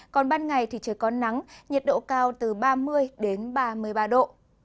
còn ban ngày thì trời có nắng nhiệt độ cao từ ba mươi đến ba mươi ba độ